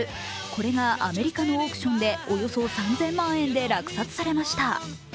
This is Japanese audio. これがアメリカのオークションでおよそ３０００万円で落札されました。